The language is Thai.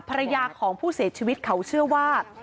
ภรรยาของผู้เสียชีวิตเขาเชื่อว่า